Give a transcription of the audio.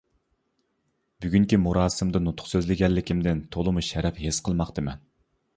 بۈگۈنكى مۇراسىمدا نۇتۇق سۆزلىگەنلىكىمدىن تولىمۇ شەرەپ ھېس قىلماقتىمەن.